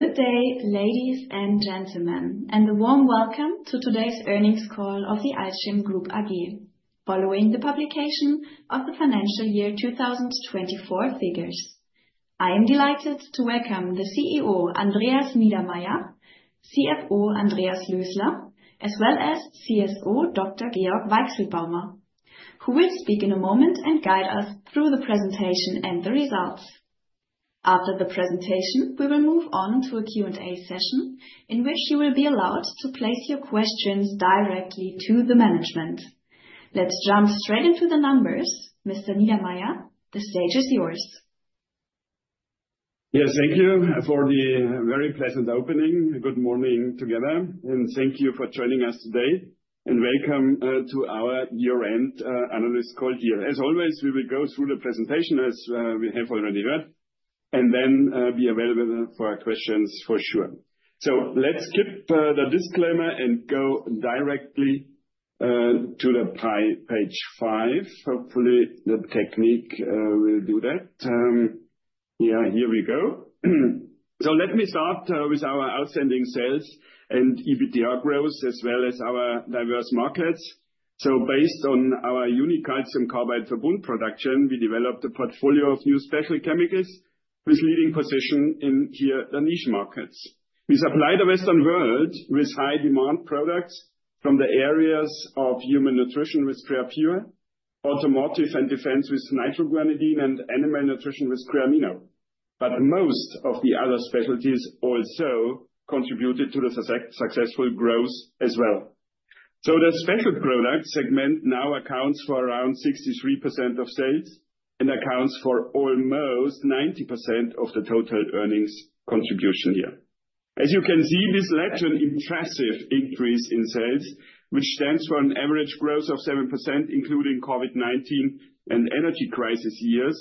Good day, ladies and gentlemen, and a warm welcome to today's earnings call of the AlzChem Group AG, following the publication of the financial year 2024 figures. I am delighted to welcome the CEO Andreas Niedermaier, CFO Andreas Lösler, as well as CSO Dr. Georg Weichselbaumer, who will speak in a moment and guide us through the presentation and the results. After the presentation, we will move on to a Q&A session in which you will be allowed to place your questions directly to the management. Let's jump straight into the numbers. Mr. Niedermaier, the stage is yours. Yes, thank you for the very pleasant opening. Good morning together, and thank you for joining us today, and welcome to our year-end analyst call here. As always, we will go through the presentation, as we have already heard, and then be available for questions for sure. Let's skip the disclaimer and go directly to the page five. Hopefully, the technique will do that. Yeah, here we go. Let me start with our outstanding sales and EBITDA growth, as well as our diverse markets. Based on our unique calcium carbide Verbund production, we developed a portfolio of new Specialty Chemicals with leading position in here the niche markets. We supply the Western world with high-demand products from the areas of human nutrition with Creapure, automotive and defense with nitroguanidine, and animal nutrition with Creamino. Most of the other specialties also contributed to the successful growth as well. The special product segment now accounts for around 63% of sales and accounts for almost 90% of the total earnings contribution here. As you can see, this led to an impressive increase in sales, which stands for an average growth of 7%, including COVID-19 and energy crisis years,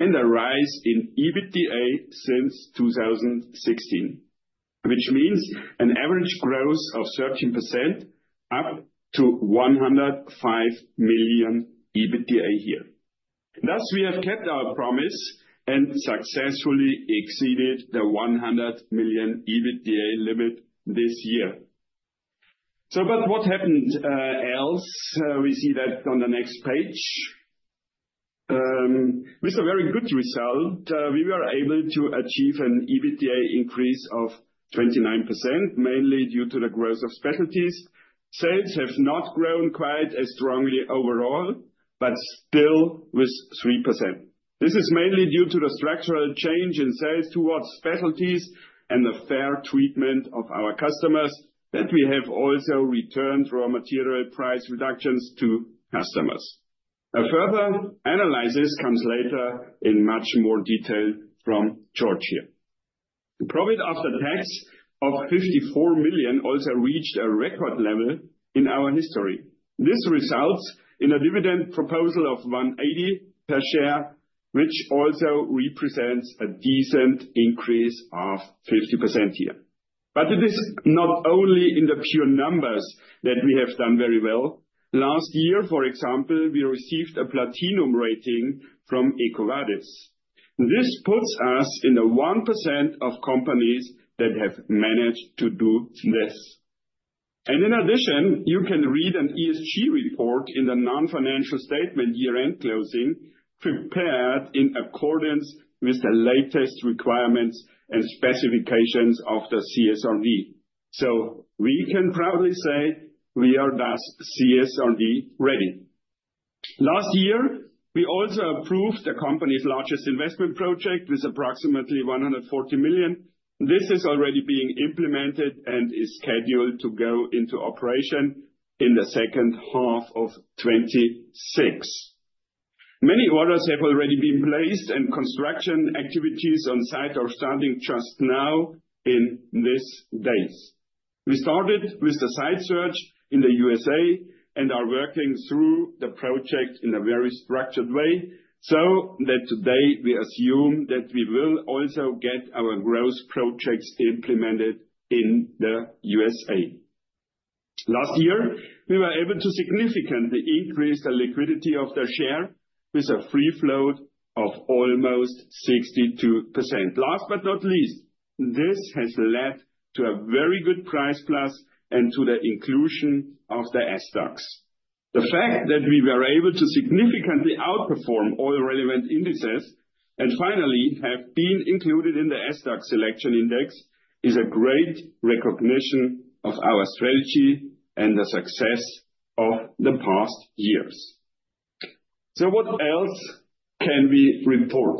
and a rise in EBITDA since 2016, which means an average growth of 13% up to 105 million EBITDA here. Thus, we have kept our promise and successfully exceeded the 100 million EBITDA limit this year. What happened else? We see that on the next page. With a very good result, we were able to achieve an EBITDA increase of 29%, mainly due to the growth of specialties. Sales have not grown quite as strongly overall, but still with 3%. This is mainly due to the structural change in sales towards specialties and the fair treatment of our customers that we have also returned raw material price reductions to customers. A further analysis comes later in much more detail from Georg here. The profit after tax of 54 million also reached a record level in our history. This results in a dividend proposal of 1.80 per share, which also represents a decent increase of 50% here. It is not only in the pure numbers that we have done very well. Last year, for example, we received a platinum rating from EcoVadis. This puts us in the 1% of companies that have managed to do this. In addition, you can read an ESG report in the non-financial statement year-end closing prepared in accordance with the latest requirements and specifications of the CSRD. We can proudly say we are thus CSRD ready. Last year, we also approved the company's largest investment project with approximately 140 million. This is already being implemented and is scheduled to go into operation in the second half of 2026. Many orders have already been placed, and construction activities on site are starting just now in these days. We started with the site search in the USA and are working through the project in a very structured way so that today we assume that we will also get our growth projects implemented in the USA. Last year, we were able to significantly increase the liquidity of the share with a free float of almost 62%. Last but not least, this has led to a very good price plus and to the inclusion of the SDAX. The fact that we were able to significantly outperform all relevant indices and finally have been included in the SDAX selection index is a great recognition of our strategy and the success of the past years. What else can we report?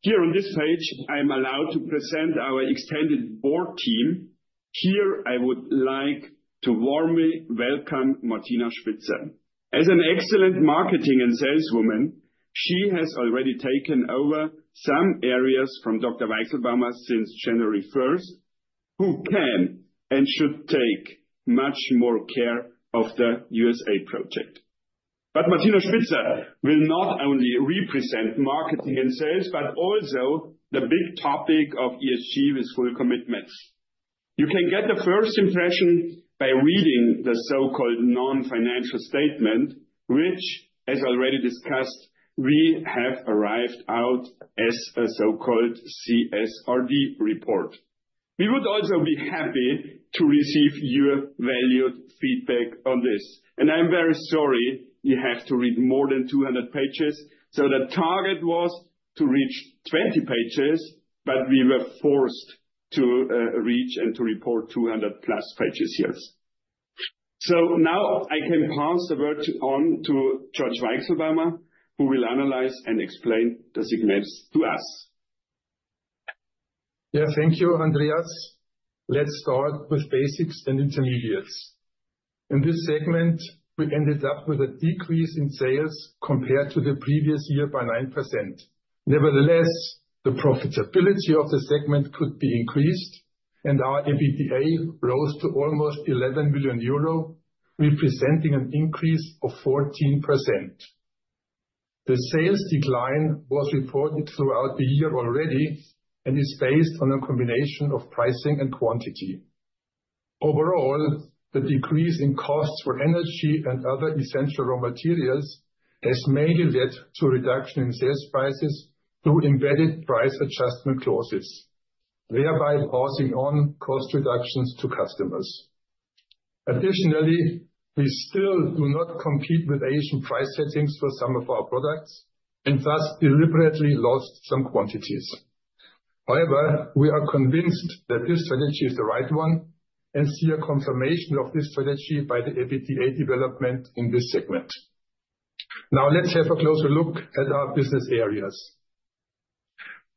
Here on this page, I'm allowed to present our extended board team. Here, I would like to warmly welcome Martina Schnittger. As an excellent marketing and saleswoman, she has already taken over some areas from Dr. Weichselbaumer since January 1st, who can and should take much more care of the USA project. Martina Schnittger will not only represent marketing and sales, but also the big topic of ESG with full commitments. You can get the first impression by reading the so-called non-financial statement, which, as already discussed, we have arrived out as a so-called CSRD report. We would also be happy to receive your valued feedback on this. I am very sorry you have to read more than 200 pages. The target was to reach 20 pages, but we were forced to reach and to report 200 plus pages here. I can now pass the word on to Georg Weichselbaumer, who will analyze and explain the segments to us. Yeah, thank you, Andreas. Let's start with Basics and Intermediates. In this segment, we ended up with a decrease in sales compared to the previous year by 9%. Nevertheless, the profitability of the segment could be increased, and our EBITDA rose to almost 11 million euro, representing an increase of 14%. The sales decline was reported throughout the year already and is based on a combination of pricing and quantity. Overall, the decrease in costs for energy and other essential raw materials has mainly led to a reduction in sales prices through embedded price adjustment clauses, thereby passing on cost reductions to customers. Additionally, we still do not compete with Asian price settings for some of our products and thus deliberately lost some quantities. However, we are convinced that this strategy is the right one and see a confirmation of this strategy by the EBITDA development in this segment. Now, let's have a closer look at our business areas.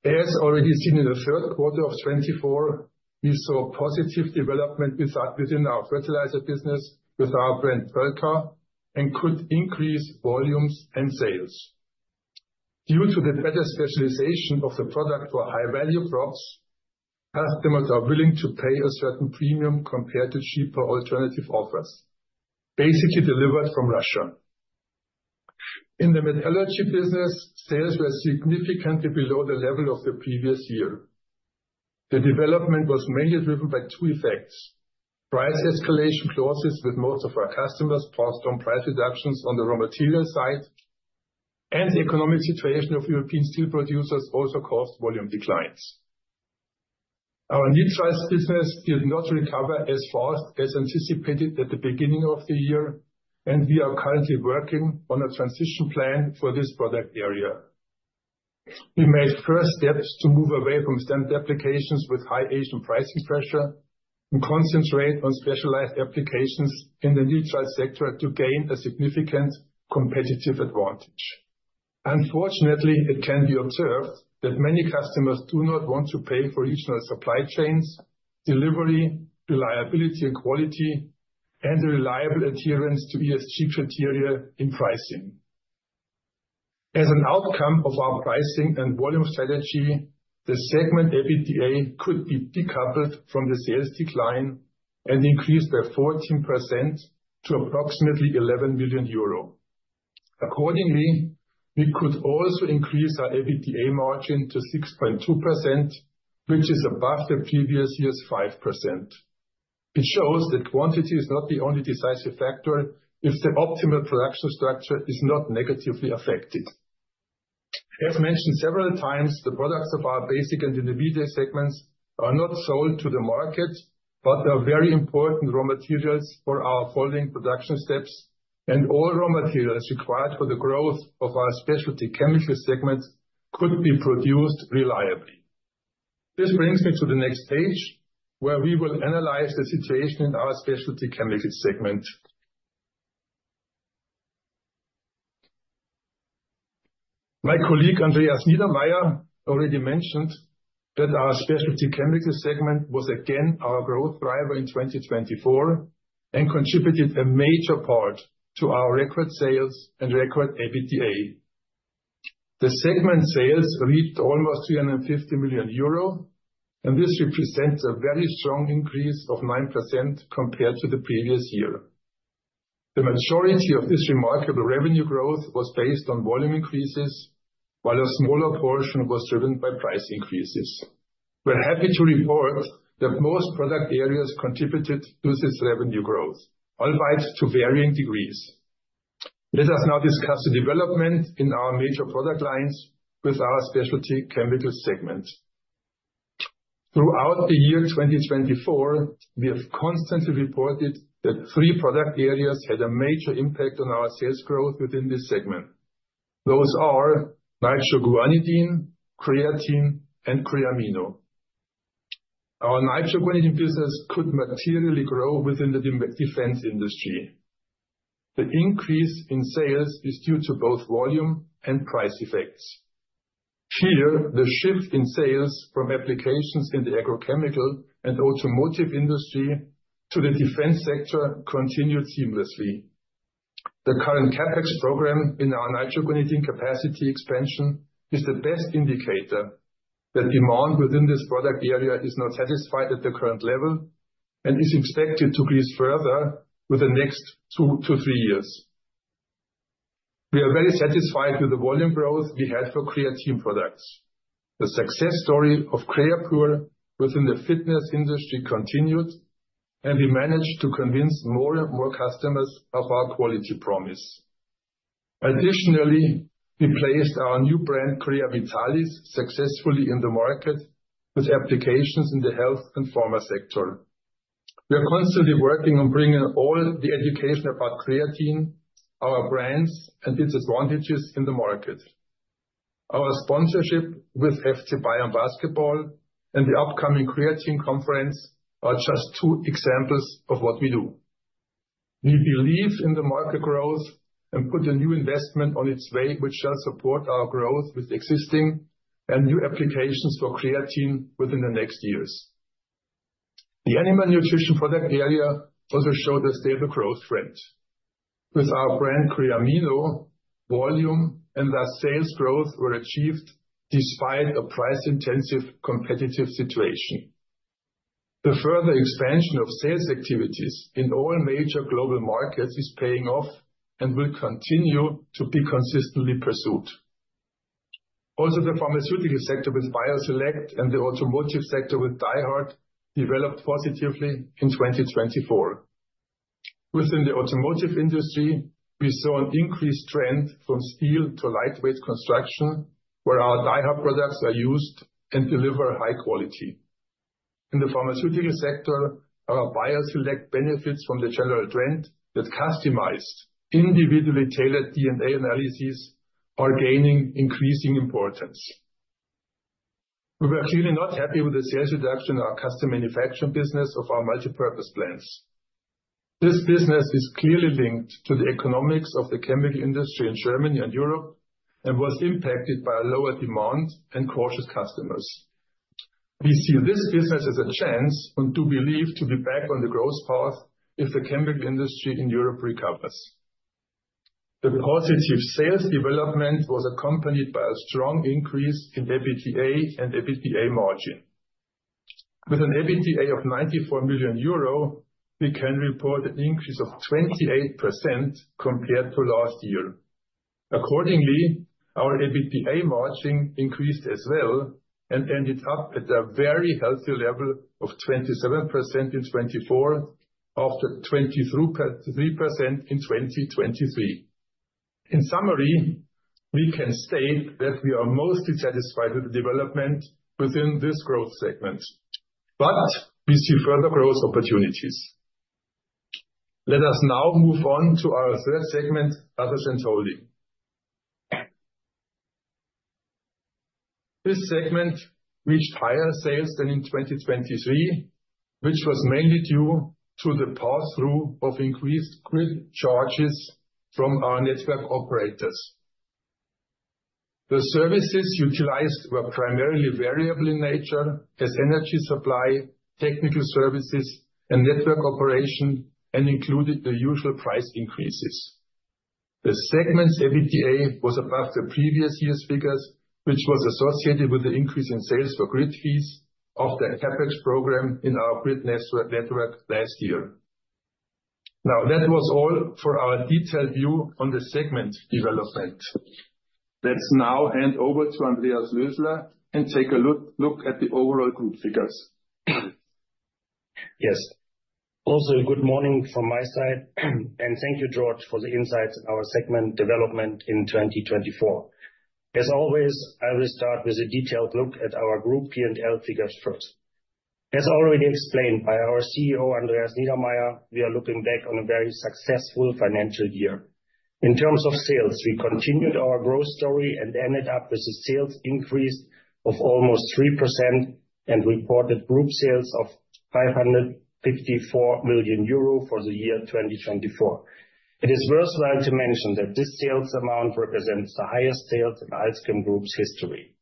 As already seen in the third quarter of 2024, we saw positive development within our fertilizer business with our brand Perlka and could increase volumes and sales. Due to the better specialization of the product for high-value crops, customers are willing to pay a certain premium compared to cheaper alternative offers, basically delivered from Russia. In the metallurgy business, sales were significantly below the level of the previous year. The development was mainly driven by two effects: price escalation clauses with most of our customers passed on price reductions on the raw material side, and the economic situation of European steel producers also caused volume declines. Our nitrile business did not recover as fast as anticipated at the beginning of the year, and we are currently working on a transition plan for this product area. We made first steps to move away from standard applications with high Asian pricing pressure and concentrate on specialized applications in the nitrile sector to gain a significant competitive advantage. Unfortunately, it can be observed that many customers do not want to pay for regional supply chains, delivery, reliability and quality, and reliable adherence to ESG criteria in pricing. As an outcome of our pricing and volume strategy, the segment EBITDA could be decoupled from the sales decline and increased by 14% to approximately 11 million euro. Accordingly, we could also increase our EBITDA margin to 6.2%, which is above the previous year's 5%. It shows that quantity is not the only decisive factor if the optimal production structure is not negatively affected. As mentioned several times, the products of our basic and intermediate segments are not sold to the market, but they are very important raw materials for our following production steps, and all raw materials required for the growth of our specialty chemical segment could be produced reliably. This brings me to the next page, where we will analyze the situation in our specialty chemical segment. My colleague Andreas Niedermaier already mentioned that our specialty chemical segment was again our growth driver in 2024 and contributed a major part to our record sales and record EBITDA. The segment sales reached almost 350 million euro, and this represents a very strong increase of 9% compared to the previous year. The majority of this remarkable revenue growth was based on volume increases, while a smaller portion was driven by price increases. We're happy to report that most product areas contributed to this revenue growth, albeit to varying degrees. Let us now discuss the development in our major product lines with our specialty chemical segment. Throughout the year 2024, we have constantly reported that three product areas had a major impact on our sales growth within this segment. Those are nitroguanidine, creatine, and Creamino. Our nitroguanidine business could materially grow within the defense industry. The increase in sales is due to both volume and price effects. Here, the shift in sales from applications in the agrochemical and automotive industry to the defense sector continued seamlessly. The current CapEx program in our nitroguanidine capacity expansion is the best indicator that demand within this product area is not satisfied at the current level and is expected to increase further within the next two to three years. We are very satisfied with the volume growth we had for creatine products. The success story of Creapure within the fitness industry continued, and we managed to convince more and more customers of our quality promise. Additionally, we placed our new brand Creavitalis successfully in the market with applications in the health and pharma sector. We are constantly working on bringing all the education about creatine, our brands, and its advantages in the market. Our sponsorship with FC Bayern Basketball and the upcoming Creatine Conference are just two examples of what we do. We believe in the market growth and put a new investment on its way, which shall support our growth with existing and new applications for creatine within the next years. The animal nutrition product area also showed a stable growth trend. With our brand Creamino, volume and thus sales growth were achieved despite a price-intensive competitive situation. The further expansion of sales activities in all major global markets is paying off and will continue to be consistently pursued. Also, the pharmaceutical sector with BioSelect and the automotive sector with Dyhard developed positively in 2024. Within the automotive industry, we saw an increased trend from steel to lightweight construction, where our Dyhard products are used and deliver high quality. In the pharmaceutical sector, our BioSelect benefits from the general trend that customized, individually tailored DNA analyses are gaining increasing importance. We were clearly not happy with the sales reduction in our custom manufacturing business of our multipurpose blends. This business is clearly linked to the economics of the chemical industry in Germany and Europe and was impacted by a lower demand and cautious customers. We see this business as a chance and do believe to be back on the growth path if the chemical industry in Europe recovers. The positive sales development was accompanied by a strong increase in EBITDA and EBITDA margin. With an EBITDA of 94 million euro, we can report an increase of 28% compared to last year. Accordingly, our EBITDA margin increased as well and ended up at a very healthy level of 27% in 2024 after 23% in 2023. In summary, we can state that we are mostly satisfied with the development within this growth segment, but we see further growth opportunities. Let us now move on to our third segment, Other Centrally. This segment reached higher sales than in 2023, which was mainly due to the pass-through of increased grid charges from our network operators. The services utilized were primarily variable in nature, as energy supply, technical services, and network operation, and included the usual price increases. The segment's EBITDA was above the previous year's figures, which was associated with the increase in sales for grid fees of the CapEx program in our grid network last year. Now, that was all for our detailed view on the segment development. Let's now hand over to Andreas Lösler and take a look at the overall group figures. Yes. Also, good morning from my side, and thank you, Georg, for the insights in our segment development in 2024. As always, I will start with a detailed look at our group P&L figures first. As already explained by our CEO, Andreas Niedermaier, we are looking back on a very successful financial year. In terms of sales, we continued our growth story and ended up with a sales increase of almost 3% and reported group sales of 554 million euro for the year 2024. It is worthwhile to mention that this sales amount represents the highest sales in AlzChem Group's history.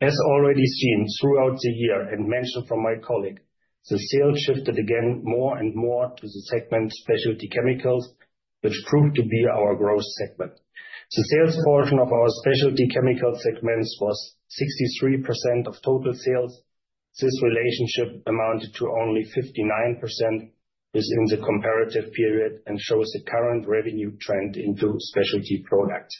As already seen throughout the year and mentioned from my colleague, the sales shifted again more and more to the segment Specialty Chemicals, which proved to be our growth segment. The sales portion of our Specialty Chemicals segment was 63% of total sales. This relationship amounted to only 59% within the comparative period and shows the current revenue trend into specialty products.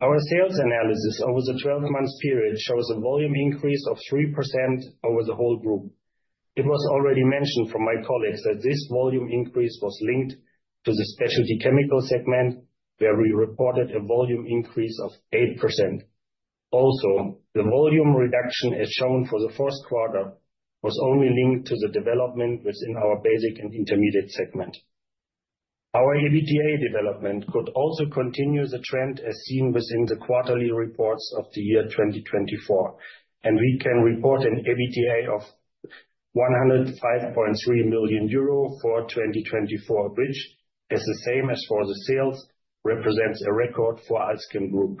Our sales analysis over the 12-month period shows a volume increase of 3% over the whole group. It was already mentioned from my colleagues that this volume increase was linked to the specialty chemical segment, where we reported a volume increase of 8%. Also, the volume reduction, as shown for the first quarter, was only linked to the development within our basic and intermediate segment. Our EBITDA development could also continue the trend as seen within the quarterly reports of the year 2024, and we can report an EBITDA of 105.3 million euro for 2024, which, as the same as for the sales, represents a record for AlzChem Group.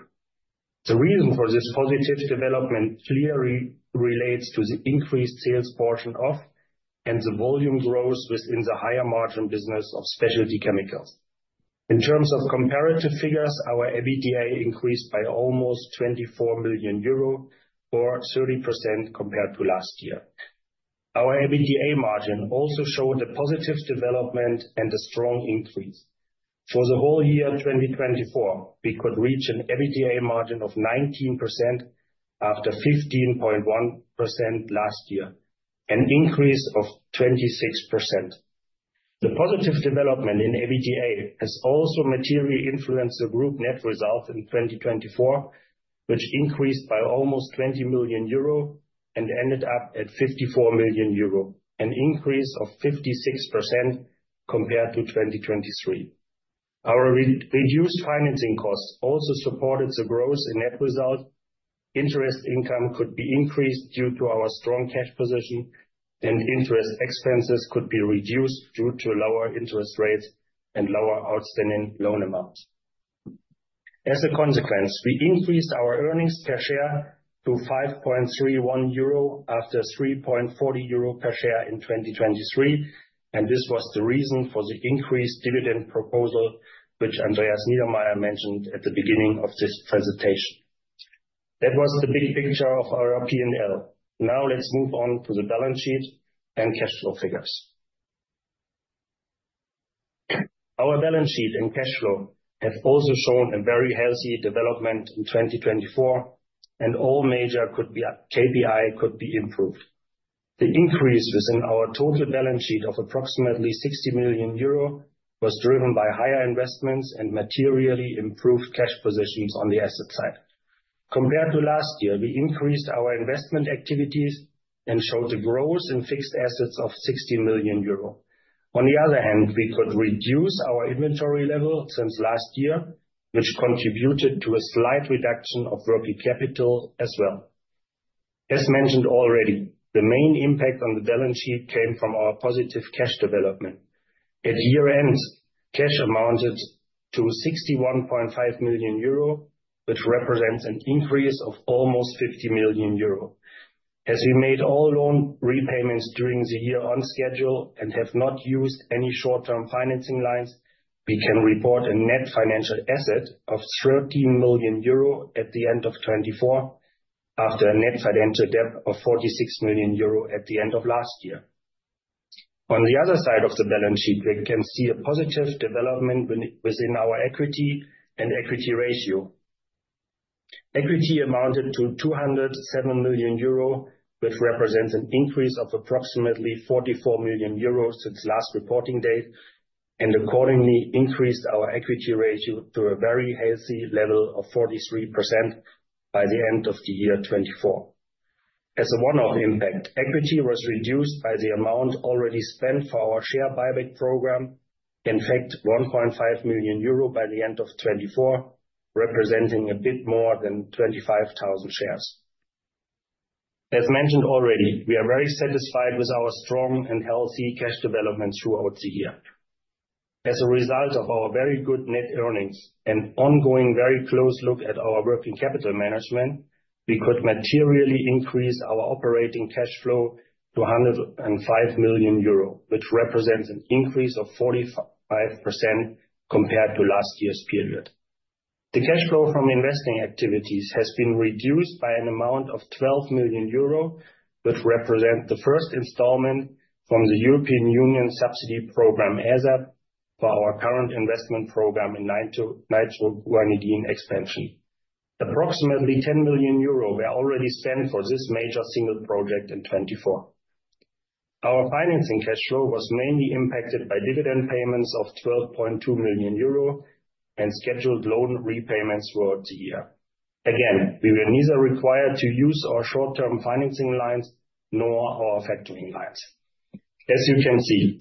The reason for this positive development clearly relates to the increased sales portion of and the volume growth within the higher margin business of Specialty Chemicals. In terms of comparative figures, our EBITDA increased by almost 24 million euro or 30% compared to last year. Our EBITDA margin also showed a positive development and a strong increase. For the whole year 2024, we could reach an EBITDA margin of 19% after 15.1% last year, an increase of 26%. The positive development in EBITDA has also materially influenced the group net result in 2024, which increased by almost 20 million euro and ended up at 54 million euro, an increase of 56% compared to 2023. Our reduced financing costs also supported the growth in net result. Interest income could be increased due to our strong cash position, and interest expenses could be reduced due to lower interest rates and lower outstanding loan amounts. As a consequence, we increased our earnings per share to 5.31 euro after 3.40 euro per share in 2023, and this was the reason for the increased dividend proposal, which Andreas Niedermaier mentioned at the beginning of this presentation. That was the big picture of our P&L. Now let's move on to the balance sheet and cash flow figures. Our balance sheet and cash flow have also shown a very healthy development in 2024, and all major KPIs could be improved. The increase within our total balance sheet of approximately 60 million euro was driven by higher investments and materially improved cash positions on the asset side. Compared to last year, we increased our investment activities and showed a growth in fixed assets of 60 million euro. On the other hand, we could reduce our inventory level since last year, which contributed to a slight reduction of working capital as well. As mentioned already, the main impact on the balance sheet came from our positive cash development. At year-end, cash amounted to 61.5 million euro, which represents an increase of almost 50 million euro. As we made all loan repayments during the year on schedule and have not used any short-term financing lines, we can report a net financial asset of 30 million euro at the end of 2024, after a net financial debt of 46 million euro at the end of last year. On the other side of the balance sheet, we can see a positive development within our equity and equity ratio. Equity amounted to 207 million euro, which represents an increase of approximately 44 million euro since last reporting date, and accordingly increased our equity ratio to a very healthy level of 43% by the end of the year 2024. As a one-off impact, equity was reduced by the amount already spent for our share buyback program, in fact 1.5 million euro by the end of 2024, representing a bit more than 25,000 shares. As mentioned already, we are very satisfied with our strong and healthy cash development throughout the year. As a result of our very good net earnings and ongoing very close look at our working capital management, we could materially increase our operating cash flow to 105 million euro, which represents an increase of 45% compared to last year's period. The cash flow from investing activities has been reduced by an amount of 12 million euro, which represents the first installment from the European Union subsidy program ASAP for our current investment program in nitroguanidine expansion. Approximately 10 million euro were already spent for this major single project in 2024. Our financing cash flow was mainly impacted by dividend payments of 12.2 million euro and scheduled loan repayments throughout the year. Again, we were neither required to use our short-term financing lines nor our factoring lines. As you can see,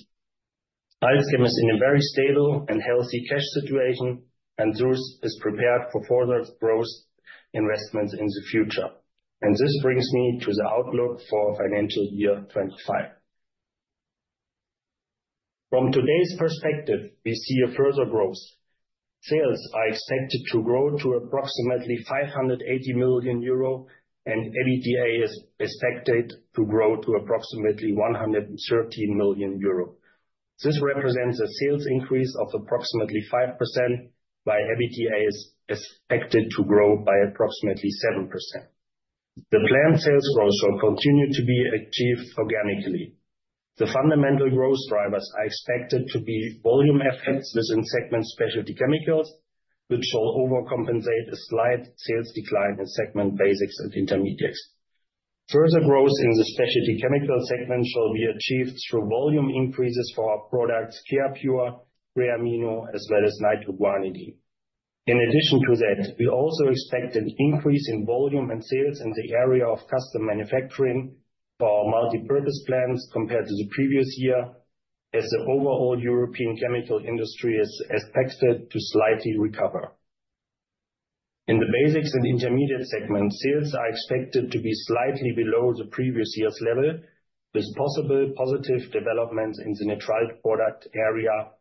AlzChem is in a very stable and healthy cash situation, and thus is prepared for further growth investments in the future. This brings me to the outlook for financial year 2025. From today's perspective, we see a further growth. Sales are expected to grow to approximately 580 million euro, and EBITDA is expected to grow to approximately 113 million euro. This represents a sales increase of approximately 5%, while EBITDA is expected to grow by approximately 7%. The planned sales growth shall continue to be achieved organically. The fundamental growth drivers are expected to be volume effects within segment Specialty Chemicals, which shall overcompensate a slight sales decline in segment Basics and Intermediates. Further growth in the Specialty Chemicals segment shall be achieved through volume increases for our products Creapure, Creamino, as well as nitroguanidine. In addition to that, we also expect an increase in volume and sales in the area of custom manufacturing for our multipurpose blends compared to the previous year, as the overall European chemical industry is expected to slightly recover. In the Basics and Intermediate segment, sales are expected to be slightly below the previous year's level, with possible positive developments in the nitrile product area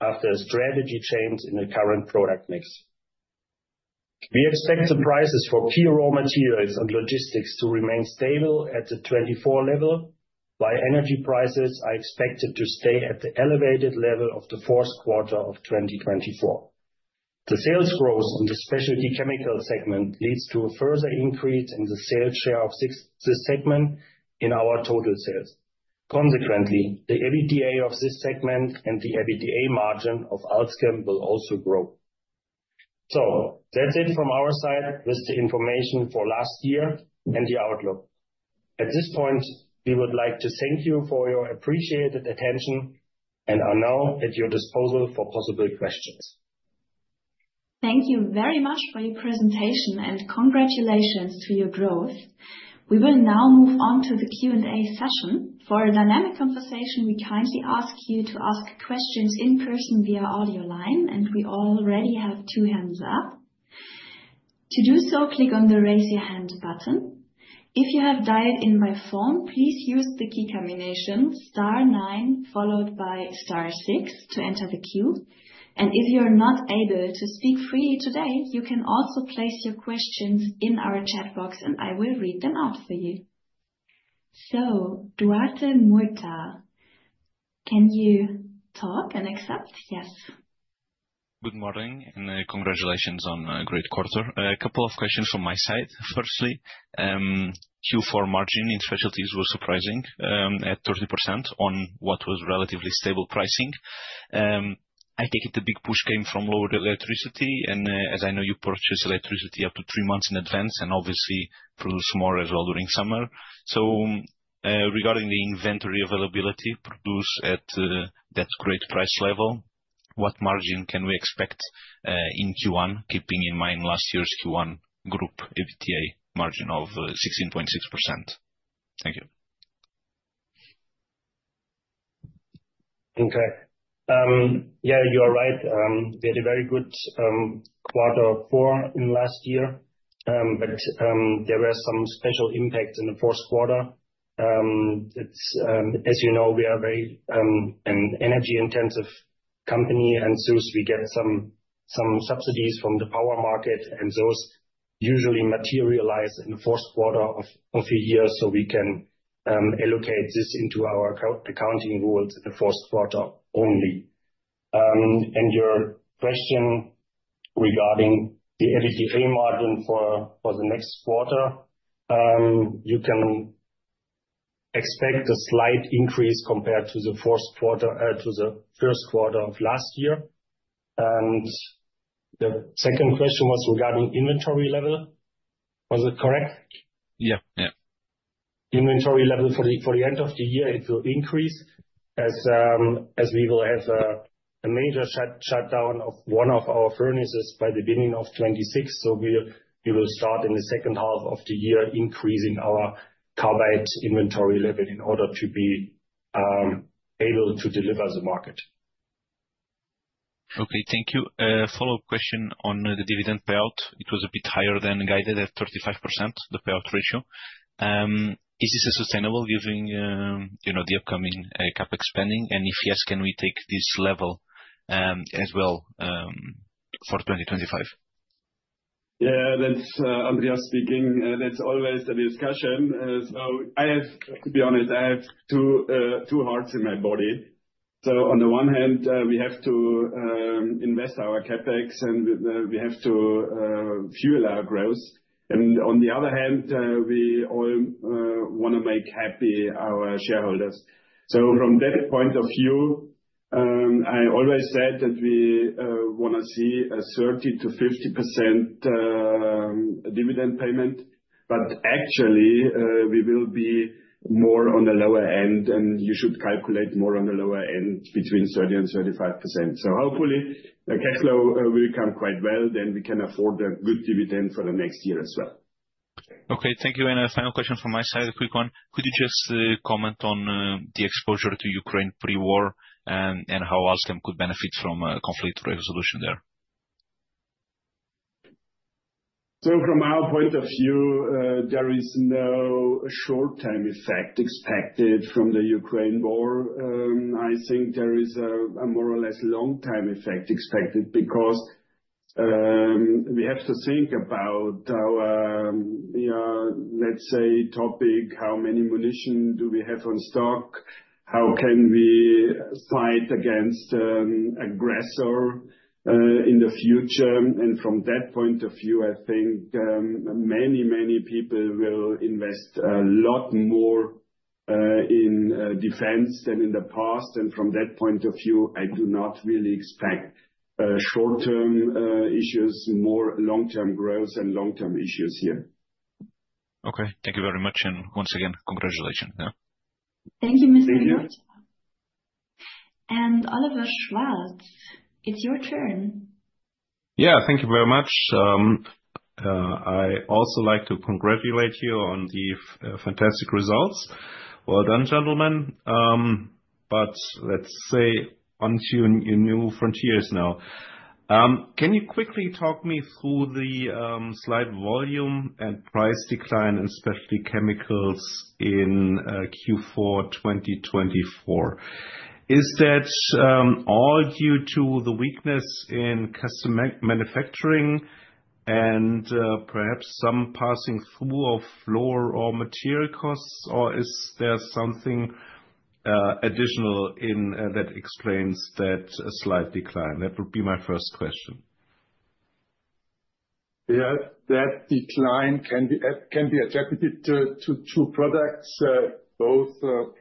after a strategy change in the current product mix. We expect the prices for key raw materials and logistics to remain stable at the 2024 level, while energy prices are expected to stay at the elevated level of the fourth quarter of 2024. The sales growth in the specialty chemical segment leads to a further increase in the sales share of this segment in our total sales. Consequently, the EBITDA of this segment and the EBITDA margin of AlzChem will also grow. That is it from our side with the information for last year and the outlook. At this point, we would like to thank you for your appreciated attention and are now at your disposal for possible questions. Thank you very much for your presentation and congratulations to your growth. We will now move on to the Q&A session. For a dynamic conversation, we kindly ask you to ask questions in person via audio line, and we already have two hands up. To do so, click on the "Raise Your Hand" button. If you have dialed in by phone, please use the key combination Star nine followed by Star six to enter the queue. If you're not able to speak freely today, you can also place your questions in our chat box, and I will read them out for you. Duarte Murta, can you talk and accept? Yes. Good morning and congratulations on a great quarter. A couple of questions from my side. Firstly, Q4 margin in specialties was surprising at 30% on what was relatively stable pricing. I take it the big push came from lower electricity, and as I know, you purchase electricity up to three months in advance and obviously produce more as well during summer. Regarding the inventory availability produced at that great price level, what margin can we expect in Q1, keeping in mind last year's Q1 group EBITDA margin of 16.6%? Thank you. Okay. Yeah, you are right. We had a very good quarter four in last year, but there were some special impacts in the fourth quarter. As you know, we are a very energy-intensive company, and thus we get some subsidies from the power market, and those usually materialize in the fourth quarter of the year, so we can allocate this into our accounting rules in the fourth quarter only. Your question regarding the EBITDA margin for the next quarter, you can expect a slight increase compared to the first quarter of last year. The second question was regarding inventory level. Was it correct? Yeah, yeah. Inventory level for the end of the year, it will increase as we will have a major shutdown of one of our furnaces by the beginning of 2026. We will start in the second half of the year increasing our carbide inventory level in order to be able to deliver the market. Okay, thank you. Follow-up question on the dividend payout. It was a bit higher than guided at 35%, the payout ratio. Is this sustainable given the upcoming CapEx spending? If yes, can we take this level as well for 2025? Yeah, that's Andreas speaking. That's always the discussion. To be honest, I have two hearts in my body. On the one hand, we have to invest our CapEx, and we have to fuel our growth. On the other hand, we all want to make happy our shareholders. From that point of view, I always said that we want to see a 30%-50% dividend payment, but actually, we will be more on the lower end, and you should calculate more on the lower end between 30% and 35%. Hopefully, the cash flow will come quite well. Then we can afford a good dividend for the next year as well. Okay, thank you. A final question from my side, a quick one. Could you just comment on the exposure to Ukraine pre-war and how AlzChem could benefit from conflict resolution there? From our point of view, there is no short-term effect expected from the Ukraine war. I think there is a more or less long-term effect expected because we have to think about our, let's say, topic: how many munitions do we have on stock? How can we fight against an aggressor in the future? From that point of view, I think many, many people will invest a lot more in defense than in the past. From that point of view, I do not really expect short-term issues, more long-term growth, and long-term issues here. Okay, thank you very much. Once again, congratulations. Thank you, Mr. Lösler. Oliver Schwarz, it's your turn. Yeah, thank you very much. I also like to congratulate you on the fantastic results. Well done, gentlemen. Let's say onto your new frontiers now. Can you quickly talk me through the slight volume and price decline in Specialty Chemicals in Q4 2024? Is that all due to the weakness in custom manufacturing and perhaps some passing through of floor or material costs, or is there something additional that explains that slight decline? That would be my first question. Yeah, that decline can be attributed to two products, both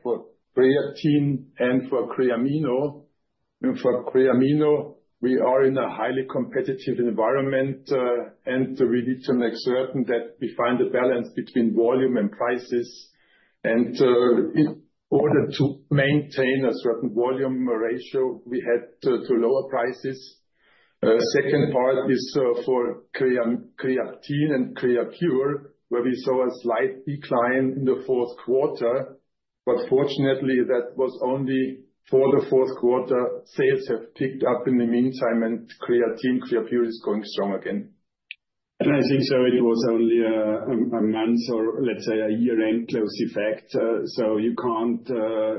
for Creatine and for Creamino. For Creamino, we are in a highly competitive environment, and we need to make certain that we find a balance between volume and prices. In order to maintain a certain volume ratio, we had to lower prices. The second part is for Creatine and Creapure, where we saw a slight decline in the fourth quarter. Fortunately, that was only for the fourth quarter. Sales have picked up in the meantime, and Creatine and Creapure are going strong again. I think it was only a month or, let's say, a year-end close effect. You can't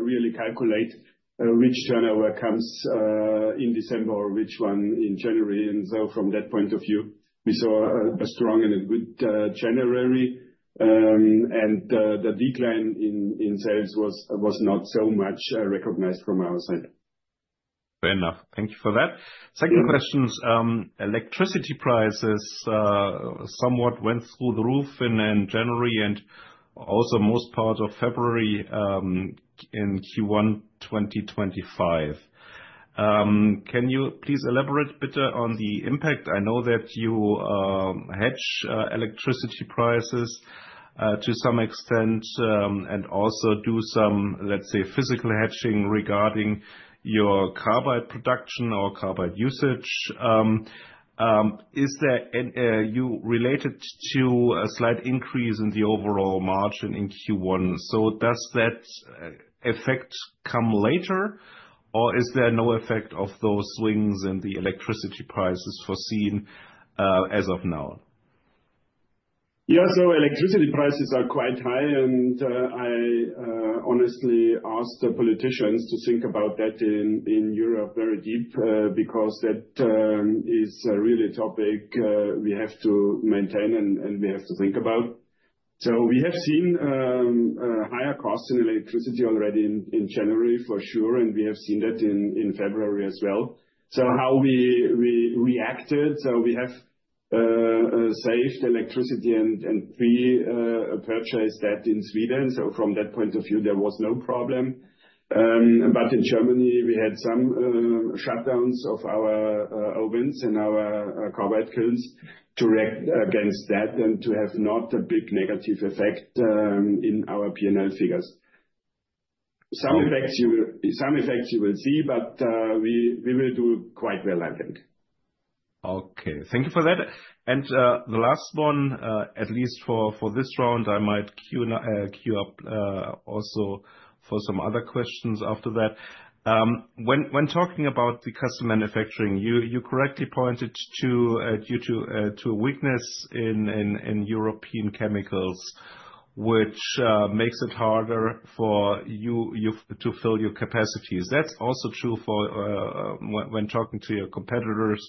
really calculate which turnover comes in December or which one in January. From that point of view, we saw a strong and a good January, and the decline in sales was not so much recognized from our side. Fair enough. Thank you for that. Second question: electricity prices somewhat went through the roof in January and also most part of February in Q1 2025. Can you please elaborate better on the impact? I know that you hedge electricity prices to some extent and also do some, let's say, physical hedging regarding your carbide production or carbide usage. Is there any related to a slight increase in the overall margin in Q1? Does that effect come later, or is there no effect of those swings in the electricity prices foreseen as of now? Yeah, so electricity prices are quite high, and I honestly asked the politicians to think about that in Europe very deep because that is really a topic we have to maintain and we have to think about. We have seen higher costs in electricity already in January, for sure, and we have seen that in February as well. How we reacted, we have saved electricity and pre-purchased that in Sweden. From that point of view, there was no problem. In Germany, we had some shutdowns of our ovens and our carbide kilns to react against that and to have not a big negative effect in our P&L figures. Some effects you will see, but we will do quite well, I think. Okay, thank you for that. The last one, at least for this round, I might queue up also for some other questions after that. When talking about the custom manufacturing, you correctly pointed to a weakness in European chemicals, which makes it harder for you to fill your capacities. That's also true when talking to your competitors,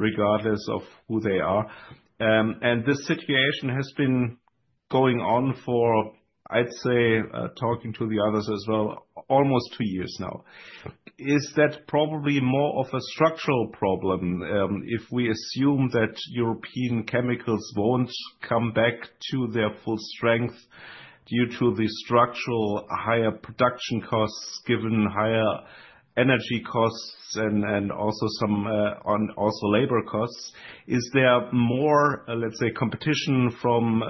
regardless of who they are. This situation has been going on for, I'd say, talking to the others as well, almost two years now. Is that probably more of a structural problem if we assume that European chemicals won't come back to their full strength due to the structural higher production costs given higher energy costs and also some labor costs? Is there more, let's say, competition from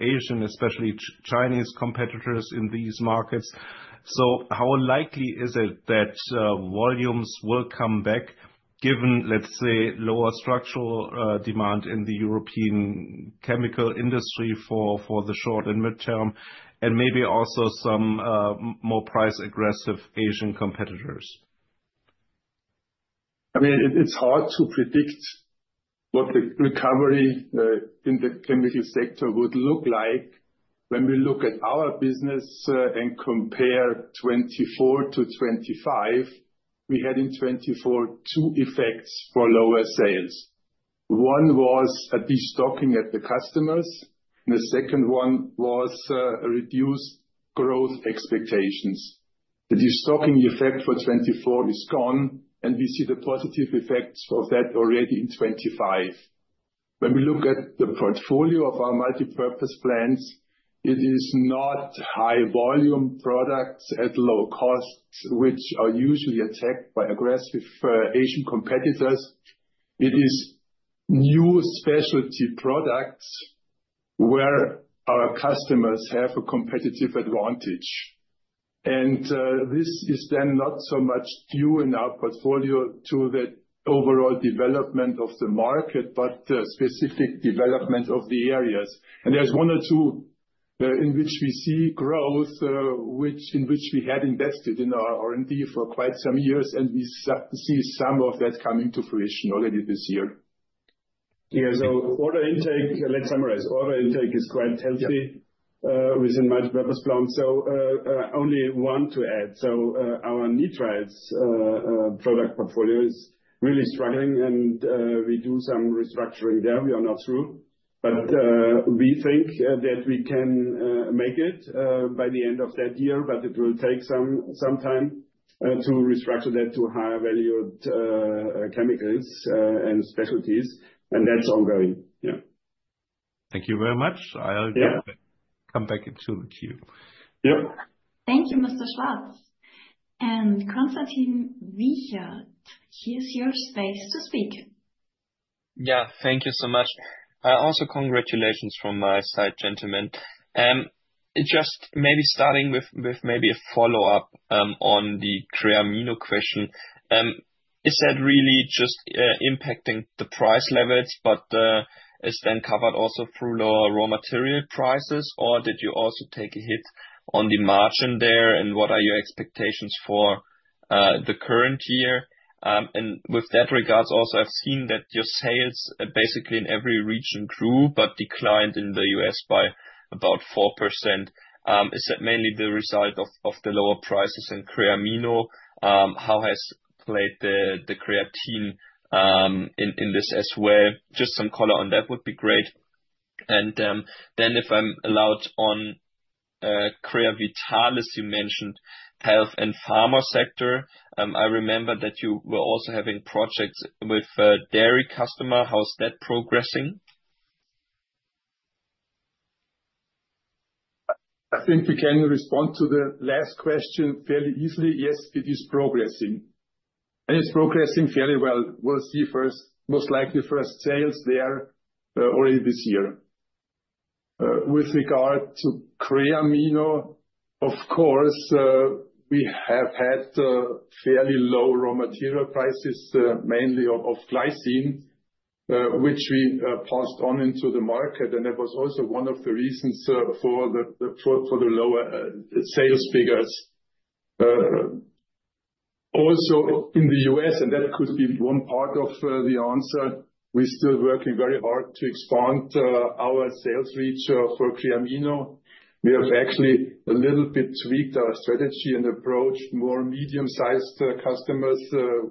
Asian, especially Chinese competitors in these markets? How likely is it that volumes will come back given, let's say, lower structural demand in the European chemical industry for the short and midterm and maybe also some more price-aggressive Asian competitors? I mean, it's hard to predict what the recovery in the chemical sector would look like. When we look at our business and compare 2024 to 2025, we had in 2024 two effects for lower sales. One was a destocking at the customers, and the second one was reduced growth expectations. The destocking effect for 2024 is gone, and we see the positive effects of that already in 2025. When we look at the portfolio of our multi-purpose plants, it is not high-volume products at low costs, which are usually attacked by aggressive Asian competitors. It is new specialty products where our customers have a competitive advantage. This is then not so much due in our portfolio to the overall development of the market, but the specific development of the areas. There is one or two in which we see growth in which we had invested in our R&D for quite some years, and we see some of that coming to fruition already this year. Yeah, order intake, let's summarize. Order intake is quite healthy within multi-purpose plants. Only one to add. Our nitrites product portfolio is really struggling, and we do some restructuring there. We are not through, but we think that we can make it by the end of that year, but it will take some time to restructure that to higher-valued chemicals and specialties, and that's ongoing. Yeah. Thank you very much. I'll come back to you. Yep. Thank you, Mr. Schwarz. Konstantin Wiechert, here's your space to speak. Yeah, thank you so much. Also, congratulations from my side, gentlemen. Just maybe starting with maybe a follow-up on the Creamino question. Is that really just impacting the price levels, but is then covered also through lower raw material prices, or did you also take a hit on the margin there, and what are your expectations for the current year? With that regards also, I've seen that your sales basically in every region grew, but declined in the U.S. by about 4%. Is that mainly the result of the lower prices in Creamino? How has played the Creatine in this as well? Just some color on that would be great. If I'm allowed on Creavitalis, as you mentioned, health and pharma sector. I remember that you were also having projects with a dairy customer. How's that progressing? I think we can respond to the last question fairly easily. Yes, it is progressing. It is progressing fairly well. We will see most likely first sales there already this year. With regard to Creamino, of course, we have had fairly low raw material prices, mainly of glycine, which we passed on into the market, and that was also one of the reasons for the lower sales figures. Also in the U.S., and that could be one part of the answer, we are still working very hard to expand our sales reach for Creamino. We have actually a little bit tweaked our strategy and approached more medium-sized customers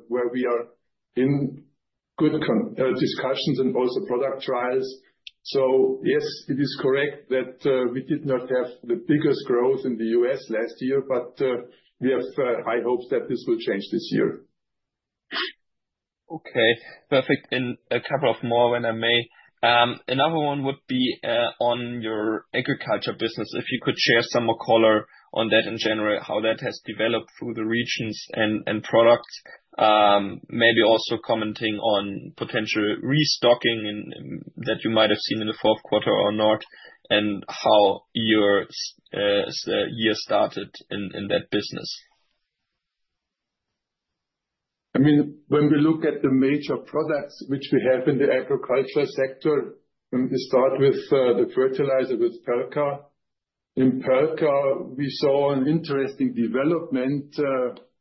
where we are in good discussions and also product trials. Yes, it is correct that we did not have the biggest growth in the U.S. last year, but we have high hopes that this will change this year. Okay, perfect. A couple of more, when I may. Another one would be on your agriculture business. If you could share some color on that in general, how that has developed through the regions and products, maybe also commenting on potential restocking that you might have seen in the fourth quarter or not, and how your year started in that business. I mean, when we look at the major products which we have in the agriculture sector, we start with the fertilizer with Perlka. In Perlka, we saw an interesting development,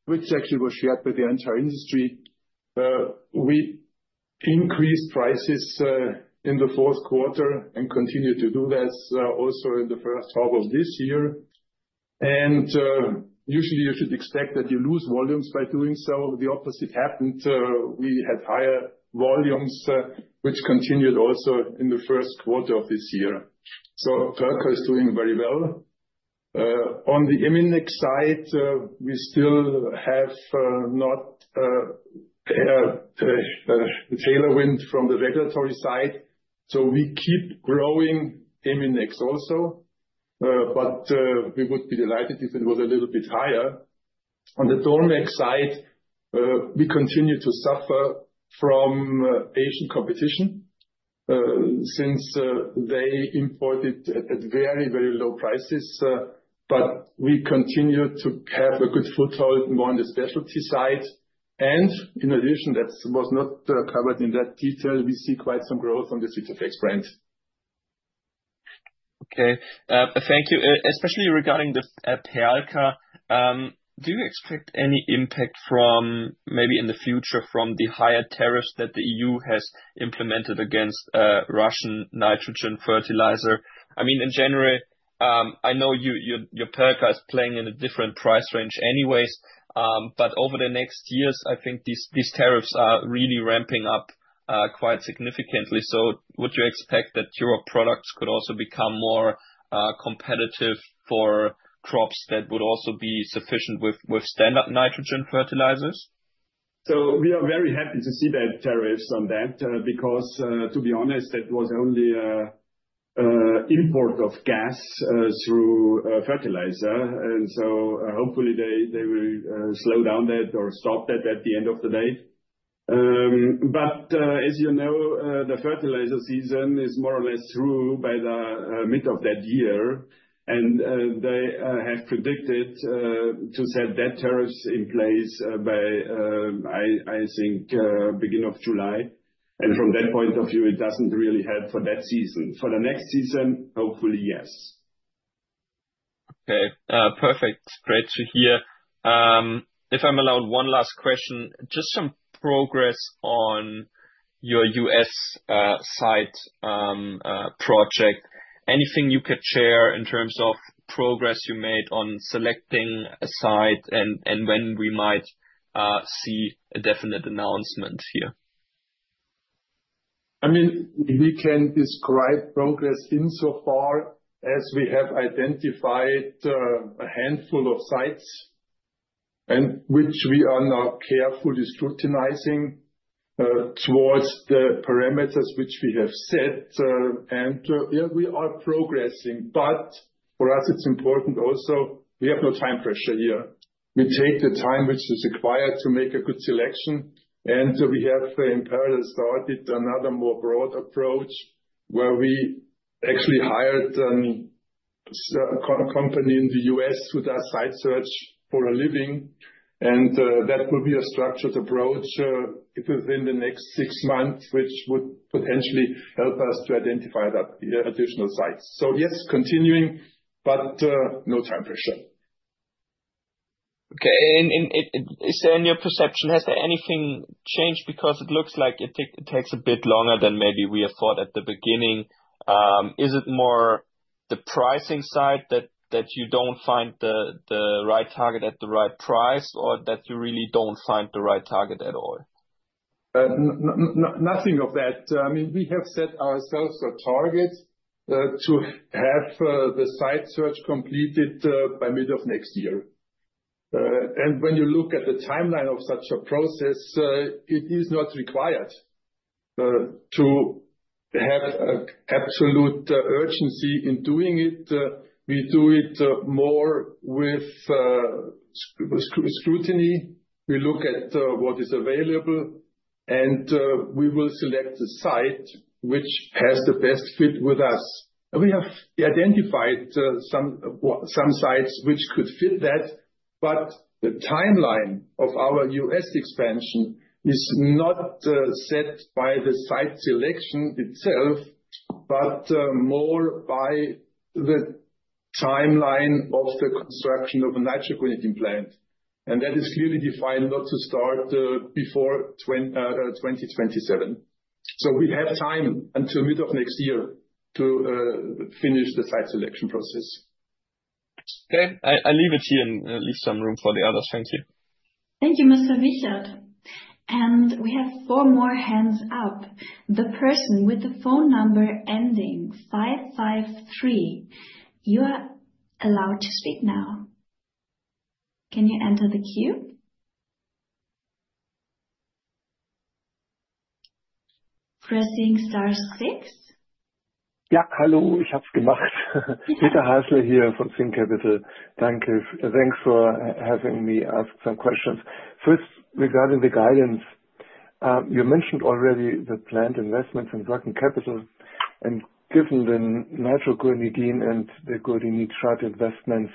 which actually was shared with the entire industry. We increased prices in the fourth quarter and continued to do this also in the first half of this year. Usually, you should expect that you lose volumes by doing so. The opposite happened. We had higher volumes, which continued also in the first quarter of this year. Perlka is doing very well. On the Eminex side, we still have not a tailwind from the regulatory side. We keep growing Eminex also, but we would be delighted if it was a little bit higher. On the Dormex side, we continue to suffer from Asian competition since they imported at very, very low prices, but we continue to have a good foothold more on the specialty side. In addition, that was not covered in that detail, we see quite some growth on the Sitofex brand. Okay, thank you. Especially regarding the Perlka, do you expect any impact from maybe in the future from the higher tariffs that the EU has implemented against Russian nitrogen fertilizer? I mean, in general, I know your Perlka is playing in a different price range anyways, but over the next years, I think these tariffs are really ramping up quite significantly. Would you expect that your products could also become more competitive for crops that would also be sufficient with standard nitrogen fertilizers? We are very happy to see that tariffs on that because, to be honest, that was only an import of gas through fertilizer. Hopefully, they will slow down that or stop that at the end of the day. As you know, the fertilizer season is more or less through by the middle of that year, and they have predicted to set that tariffs in place by, I think, beginning of July. From that point of view, it does not really help for that season. For the next season, hopefully, yes. Okay, perfect spreadsheet here. If I'm allowed, one last question, just some progress on your U.S. site project. Anything you could share in terms of progress you made on selecting a site and when we might see a definite announcement here? I mean, we can describe progress insofar as we have identified a handful of sites which we are now carefully scrutinizing towards the parameters which we have set. Yeah, we are progressing, but for us, it's important also. We have no time pressure here. We take the time which is required to make a good selection. We have in parallel started another more broad approach where we actually hired a company in the U.S. who does site search for a living. That will be a structured approach within the next six months, which would potentially help us to identify additional sites. Yes, continuing, but no time pressure. Okay. In your perception, has anything changed because it looks like it takes a bit longer than maybe we thought at the beginning? Is it more the pricing side that you do not find the right target at the right price, or that you really do not find the right target at all? Nothing of that. I mean, we have set ourselves a target to have the site search completed by mid of next year. When you look at the timeline of such a process, it is not required to have absolute urgency in doing it. We do it more with scrutiny. We look at what is available, and we will select the site which has the best fit with us. We have identified some sites which could fit that, but the timeline of our U.S. expansion is not set by the site selection itself, but more by the timeline of the construction of a nitrogen plant. That is clearly defined not to start before 2027. We have time until mid of next year to finish the site selection process. Okay, I'll leave it here and leave some room for the others. Thank you. Thank you, Mr. Weichselbaumer. We have four more hands up. The person with the phone number ending 553, you are allowed to speak now. Can you enter the queue? Pressing star clicks? Yeah, hello, ich hab's gemacht. Peter Spengler here from. Danke, thanks for having me ask some questions. First, regarding the guidance, you mentioned already the plant investments and working capital. Given the nitroguanidine and the guanidine chart investments,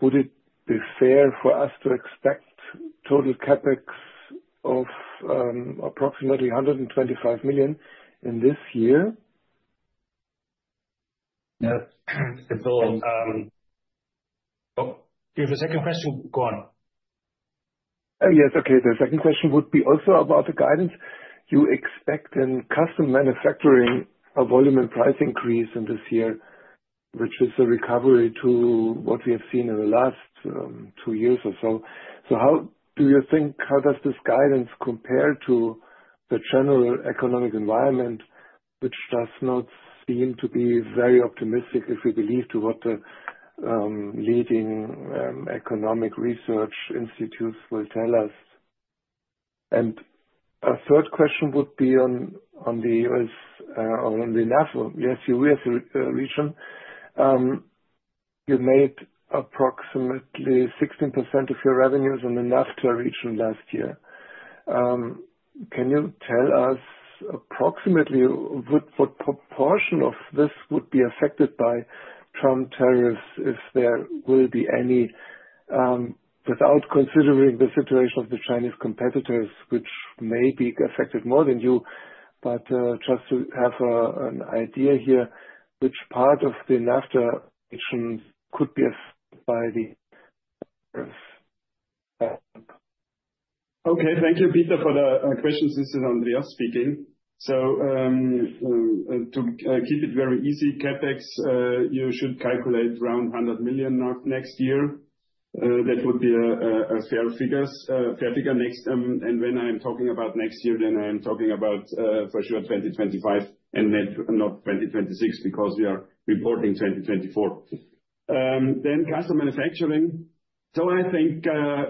would it be fair for us to expect total CapEx of approximately 125 million in this year? Yeah, it's all. Oh, do you have a second question? Go on. Yes, okay. The second question would be also about the guidance. You expect in custom manufacturing a volume and price increase in this year, which is a recovery to what we have seen in the last two years or so. How do you think, how does this guidance compare to the general economic environment, which does not seem to be very optimistic if we believe to what the leading economic research institutes will tell us? A third question would be on the U.S. or on the NAFTA region. You made approximately 16% of your revenues in the NAFTA region last year. Can you tell us approximately what proportion of this would be affected by Trump tariffs if there will be any, without considering the situation of the Chinese competitors, which may be affected more than you, but just to have an idea here, which part of the NAFTA region could be affected by the tariffs? Okay, thank you, Peter, for the questions. This is Andreas speaking. To keep it very easy, CapEx, you should calculate around 100 million next year. That would be a fair figure. When I am talking about next year, I am talking about for sure 2025 and not 2026 because we are reporting 2024. Custom manufacturing, I think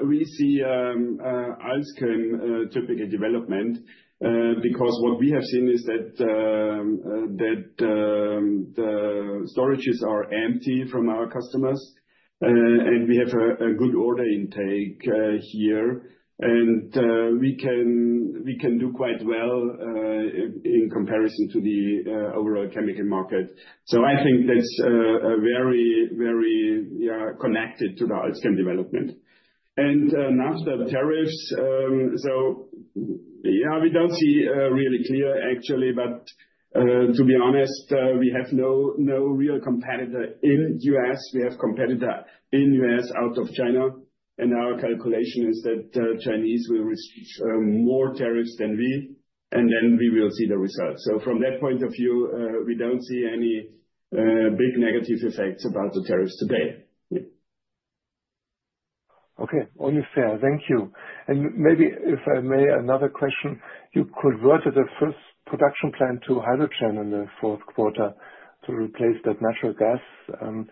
we see AlzChem-typical development because what we have seen is that the storages are empty from our customers, and we have a good order intake here, and we can do quite well in comparison to the overall chemical market. I think that is very, very connected to the AlzChem development. NAFTA tariffs, we do not see really clear actually, but to be honest, we have no real competitor in the U.S. We have competitor in the U.S. out of China. Our calculation is that Chinese will receive more tariffs than we, and then we will see the results. From that point of view, we do not see any big negative effects about the tariffs today. Okay, only fair. Thank you. Maybe if I may, another question. You converted the first production plant to hydrogen in the fourth quarter to replace that natural gas.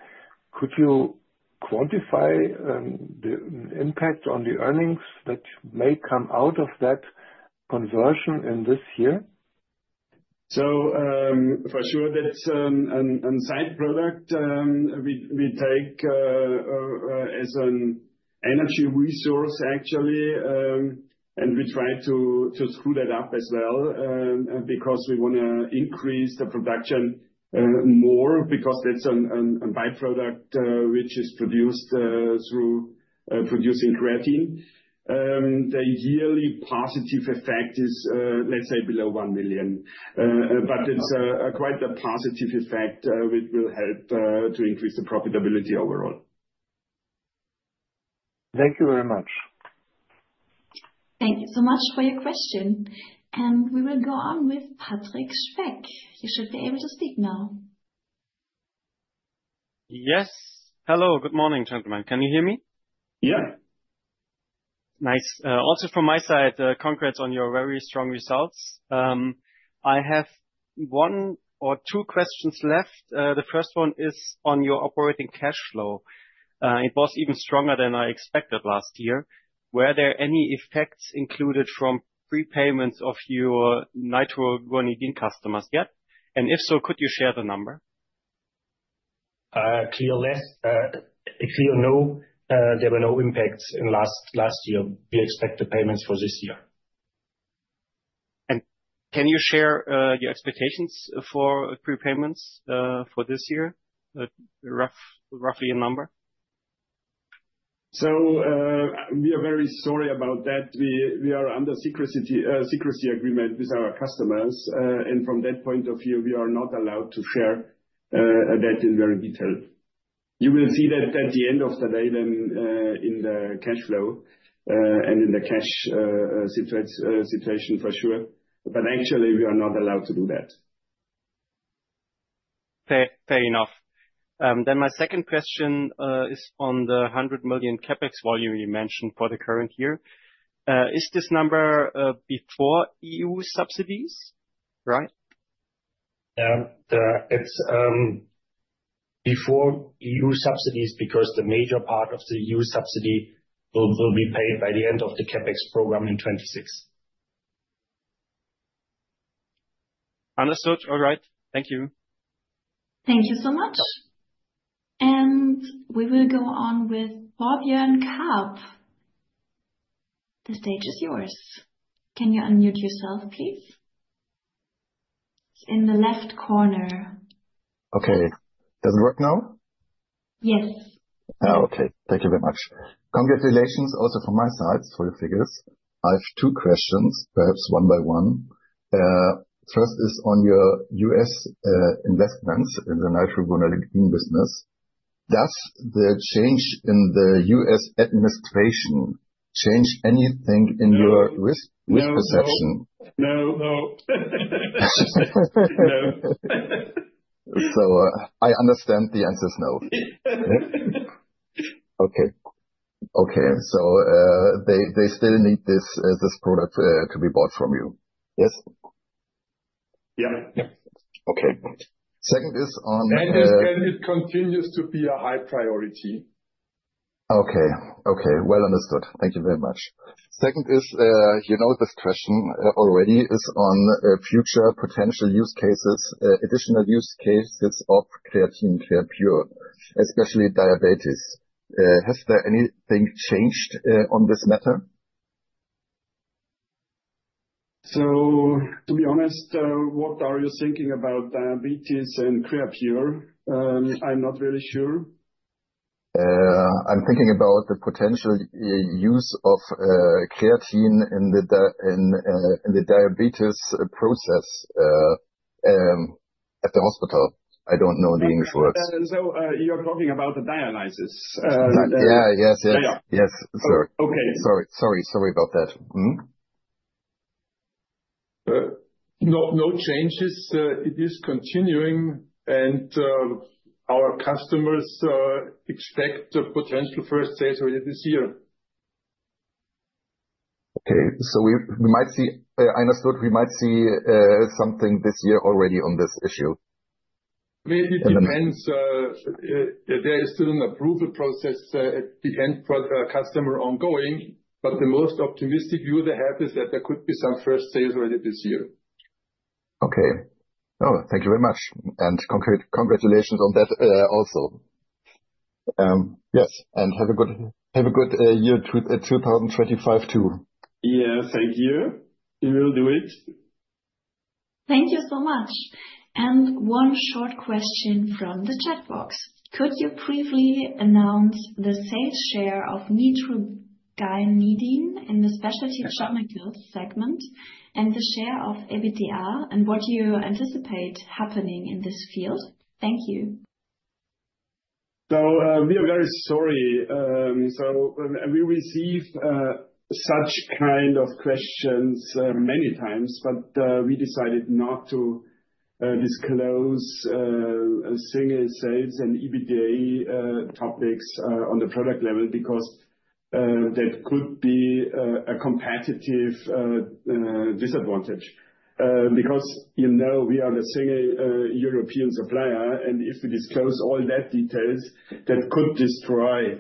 Could you quantify the impact on the earnings that may come out of that conversion in this year? That is a side product we take as an energy resource actually, and we try to scale that up as well because we want to increase the production more because that is a byproduct which is produced through producing creatine. The yearly positive effect is, let's say, below 1 million, but it is quite a positive effect which will help to increase the profitability overall. Thank you very much. Thank you so much for your question. We will go on with Patrick Speck. You should be able to speak now. Yes. Hello, good morning, gentlemen. Can you hear me? Yeah. Nice. Also from my side, congrats on your very strong results. I have one or two questions left. The first one is on your operating cash flow. It was even stronger than I expected last year. Were there any effects included from prepayments of your nitroguanidine customers yet? And if so, could you share the number? Clear no. There were no impacts in last year. We expect the payments for this year. Can you share your expectations for prepayments for this year, roughly a number? We are very sorry about that. We are under secrecy agreement with our customers. From that point of view, we are not allowed to share that in very detail. You will see that at the end of the day then in the cash flow and in the cash situation for sure. Actually, we are not allowed to do that. Fair enough. Then my second question is on the 100 million CapEx volume you mentioned for the current year. Is this number before EU subsidies, right? It's before EU subsidies because the major part of the EU subsidy will be paid by the end of the CapEx program in 2026. Understood. All right. Thank you. Thank you so much. We will go on with Bob Jorn Karp. The stage is yours. Can you unmute yourself, please? It is in the left corner. Okay. Does it work now? Yes. Okay. Thank you very much. Congratulations also from my side for the figures. I have two questions, perhaps one by one. First is on your U.S. investments in the nitroguanidine business. Does the change in the U.S. administration change anything in your risk perception? No, no. I understand the answer is no. Okay. Okay. They still need this product to be bought from you. Yes? Yeah. Okay. Second is on. I understand it continues to be a high priority. Okay. Okay. Well understood. Thank you very much. Second is, you know this question already, is on future potential use cases, additional use cases of creatine Creapure, especially diabetes. Has there anything changed on this matter? To be honest, what are you thinking about diabetes and Creapure? I'm not really sure. I'm thinking about the potential use of creatine in the diabetes process at the hospital. I don't know the English words. You're talking about the dialysis? Yeah, yes, yes. Yes, sir. Sorry, sorry about that. No changes. It is continuing. Our customers expect potential first sales already this year. Okay. We might see, I understood, we might see something this year already on this issue. Maybe it depends. There is still an approval process at the end for customer ongoing, but the most optimistic view they have is that there could be some first sales already this year. Okay. Oh, thank you very much. Congratulations on that also. Yes. Have a good year 2025 too. Yeah. Thank you. We will do it. Thank you so much. One short question from the chat box. Could you briefly announce the sales share of nitroguanidine in the specialty pharmacy segment and the share of EBITDA and what do you anticipate happening in this field? Thank you. We are very sorry. We receive such kind of questions many times, but we decided not to disclose single sales and EBITDA topics on the product level because that could be a competitive disadvantage. Because we are the single European supplier, and if we disclose all that details, that could destroy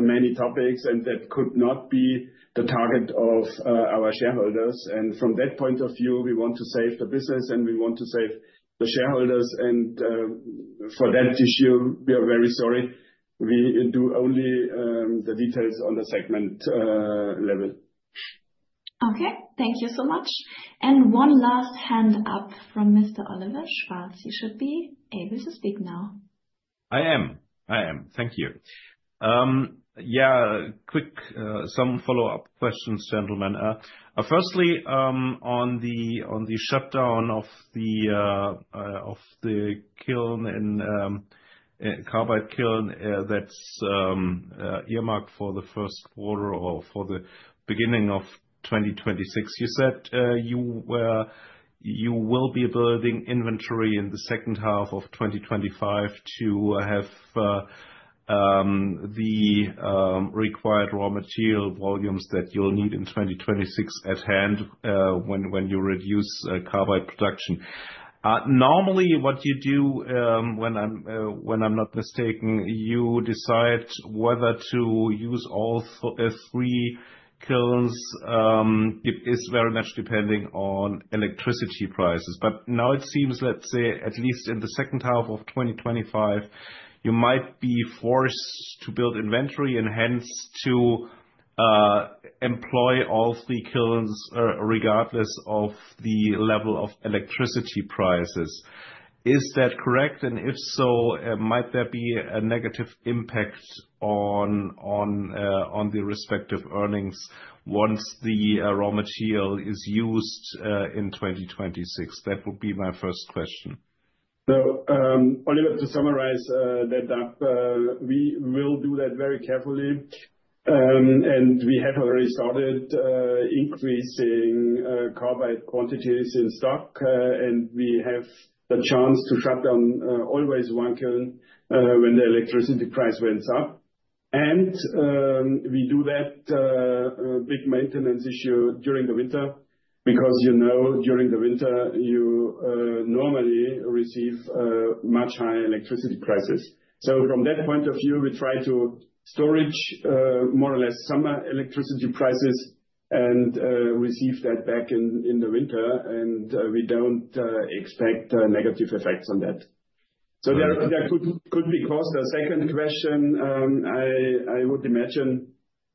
many topics, and that could not be the target of our shareholders. From that point of view, we want to save the business, and we want to save the shareholders. For that issue, we are very sorry. We do only the details on the segment level. Okay. Thank you so much. One last hand up from Mr. Oliver Schwarz. You should be able to speak now. I am. I am. Thank you. Yeah, quick, some follow-up questions, gentlemen. Firstly, on the shutdown of the kiln and carbide kiln that's earmarked for the first quarter or for the beginning of 2026, you said you will be building inventory in the second half of 2025 to have the required raw material volumes that you'll need in 2026 at hand when you reduce carbide production. Normally, what you do, when I'm not mistaken, you decide whether to use all three kilns. It is very much depending on electricity prices. Now it seems, let's say, at least in the second half of 2025, you might be forced to build inventory and hence to employ all three kilns regardless of the level of electricity prices. Is that correct? If so, might there be a negative impact on the respective earnings once the raw material is used in 2026? That would be my first question. Oliver, to summarize that up, we will do that very carefully. We have already started increasing carbide quantities in stock, and we have the chance to shut down always one kiln when the electricity price went up. We do that big maintenance issue during the winter because during the winter, you normally receive much higher electricity prices. From that point of view, we try to storage more or less summer electricity prices and receive that back in the winter, and we do not expect negative effects on that. There could be cost. The second question, I would imagine,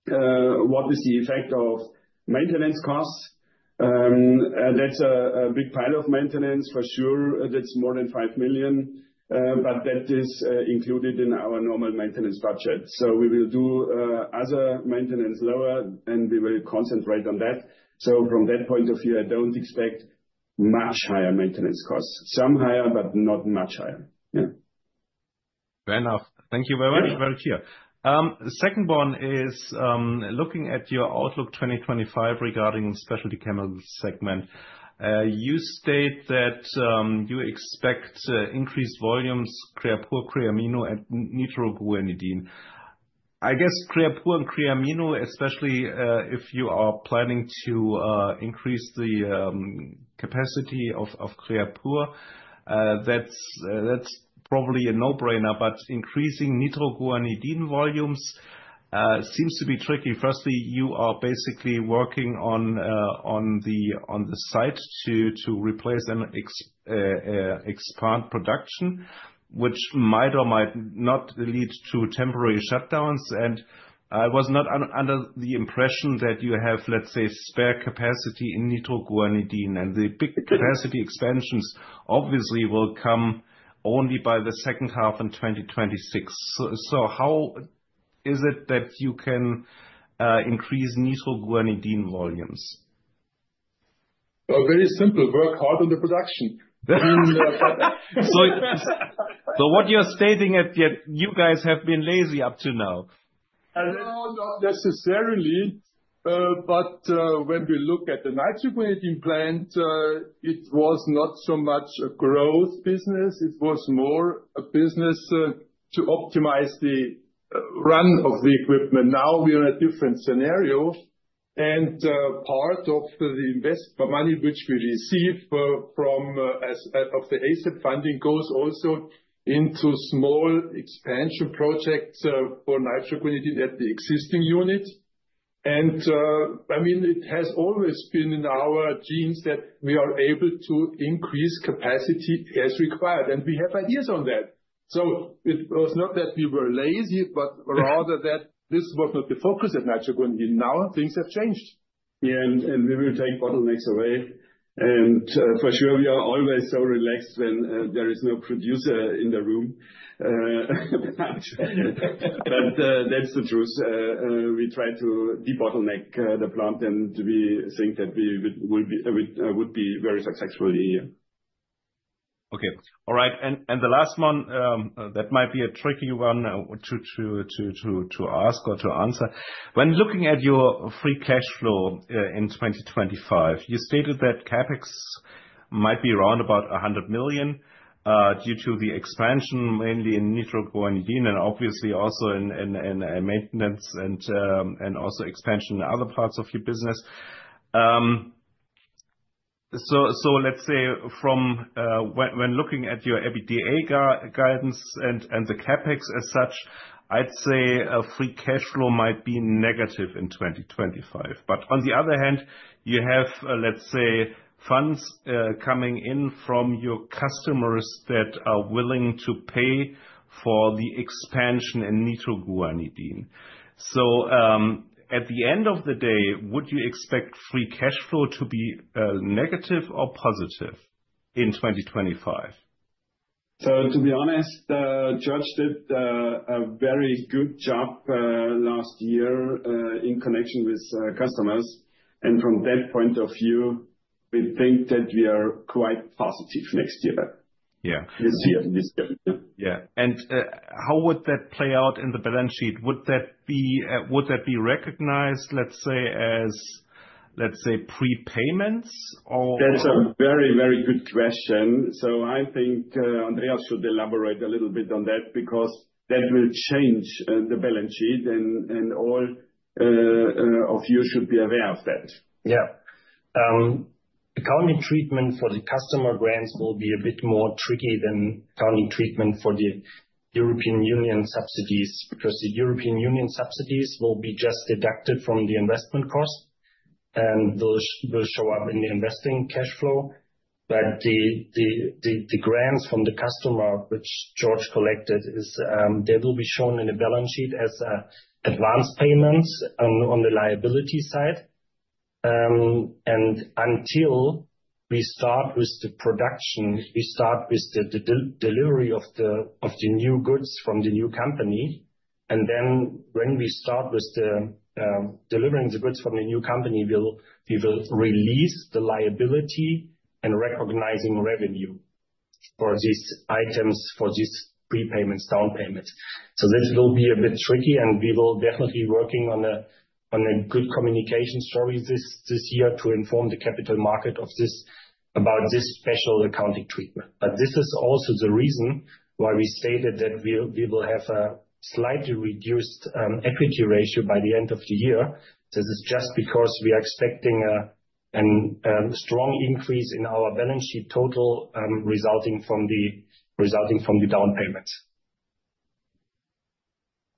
what is the effect of maintenance costs? That is a big pile of maintenance for sure. That is more than 5 million, but that is included in our normal maintenance budget. We will do other maintenance lower, and we will concentrate on that. From that point of view, I don't expect much higher maintenance costs. Some higher, but not much higher. Yeah. Fair enough. Thank you very much. Very clear. Second one is looking at your outlook 2025 regarding Specialty Chemicals segment. You state that you expect increased volumes, Creapure, Creamino, and nitroguanidine. I guess Creapure and Creamino, especially if you are planning to increase the capacity of Creapure, that's probably a no-brainer, but increasing nitroguanidine volumes seems to be tricky. Firstly, you are basically working on the site to replace and expand production, which might or might not lead to temporary shutdowns. I was not under the impression that you have, let's say, spare capacity in nitroguanidine, and the big capacity expansions obviously will come only by the second half in 2026. How is it that you can increase nitroguanidine volumes? Very simple. Work hard on the production. What you're stating at the end, you guys have been lazy up to now. No, not necessarily. When we look at the nitroguanidine plant, it was not so much a growth business. It was more a business to optimize the run of the equipment. Now we are in a different scenario. Part of the investment money which we receive from the ASAP funding goes also into small expansion projects for nitroguanidine at the existing unit. I mean, it has always been in our genes that we are able to increase capacity as required. We have ideas on that. It was not that we were lazy, but rather that this was not the focus of nitroguanidine. Now things have changed. Yeah, we will take bottlenecks away. For sure, we are always so relaxed when there is no producer in the room. That is the truth. We try to de-bottleneck the plant, and we think that we would be very successful here. Okay. All right. The last one, that might be a tricky one to ask or to answer. When looking at your free cash flow in 2025, you stated that CapEx might be around 100 million due to the expansion mainly in nitroguanidine and obviously also in maintenance and also expansion in other parts of your business. Let's say when looking at your EBITDA guidance and the CapEx as such, I'd say free cash flow might be negative in 2025. On the other hand, you have, let's say, funds coming in from your customers that are willing to pay for the expansion in nitroguanidine. At the end of the day, would you expect free cash flow to be negative or positive in 2025? To be honest, Georg did a very good job last year in connection with customers. From that point of view, we think that we are quite positive next year. Yeah. How would that play out in the balance sheet? Would that be recognized, let's say, as, let's say, prepayments or? That's a very, very good question. I think Andreas should elaborate a little bit on that because that will change the balance sheet, and all of you should be aware of that. Yeah. Accounting treatment for the customer grants will be a bit more tricky than accounting treatment for the European Union subsidies because the European Union subsidies will be just deducted from the investment cost and will show up in the investing cash flow. The grants from the customer, which Georg collected, they will be shown in the balance sheet as advance payments on the liability side. Until we start with the production, we start with the delivery of the new goods from the new company. When we start with delivering the goods from the new company, we will release the liability and recognizing revenue for these items, for these prepayments, down payments. This will be a bit tricky, and we will definitely be working on a good communication story this year to inform the capital market about this special accounting treatment. This is also the reason why we stated that we will have a slightly reduced equity ratio by the end of the year. This is just because we are expecting a strong increase in our balance sheet total resulting from the down payments.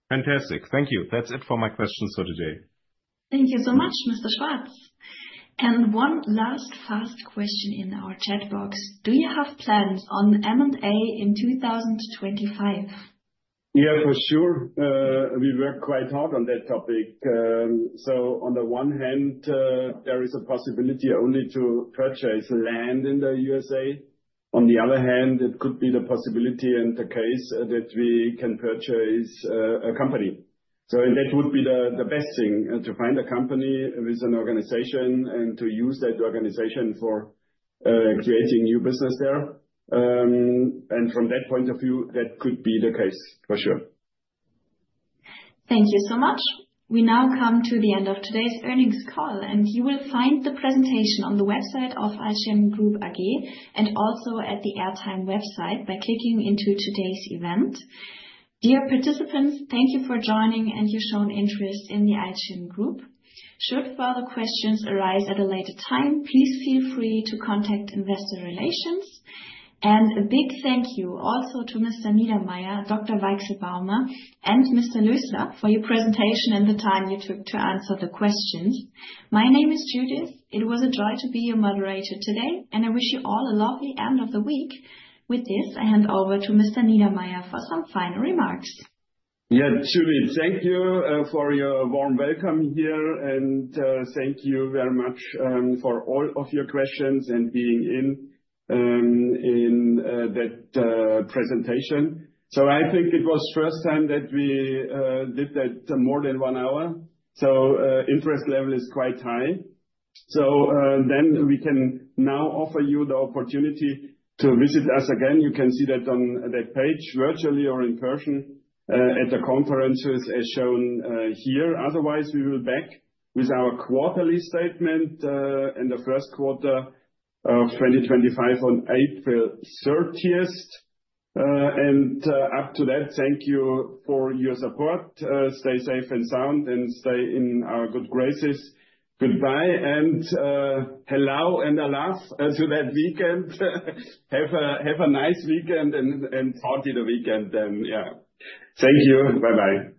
Fantastic. Thank you. That's it for my questions for today. Thank you so much, Mr. Schwarz. One last fast question in our chat box. Do you have plans on M&A in 2025? Yeah, for sure. We work quite hard on that topic. On the one hand, there is a possibility only to purchase land in the USA. On the other hand, it could be the possibility and the case that we can purchase a company. That would be the best thing to find a company with an organization and to use that organization for creating new business there. From that point of view, that could be the case for sure. Thank you so much. We now come to the end of today's earnings call, and you will find the presentation on the website of AlzChem Group AG and also at the Airtime website by clicking into today's event. Dear participants, thank you for joining and your shown interest in the AlzChem Group. Should further questions arise at a later time, please feel free to contact investor relations. A big thank you also to Mr. Niedermaier, Dr. Weichselbaumer, and Mr. Lösler for your presentation and the time you took to answer the questions. My name is Judith. It was a joy to be your moderator today, and I wish you all a lovely end of the week. With this, I hand over to Mr. Niedermaier for some final remarks. Yeah, Judith, thank you for your warm welcome here, and thank you very much for all of your questions and being in that presentation. I think it was the first time that we did that more than one hour. The interest level is quite high. We can now offer you the opportunity to visit us again. You can see that on that page virtually or in person at the conferences as shown here. Otherwise, we will be back with our quarterly statement in the first quarter of 2025 on April 30th. Up to that, thank you for your support. Stay safe and sound and stay in our good graces. Goodbye and hello and a laugh to that weekend. Have a nice weekend and party the weekend then. Yeah. Thank you. Bye-bye.